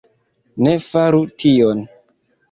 Ne faru tion.